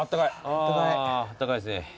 あったかいですね。